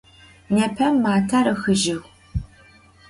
Nêpe mater ıhıjığ.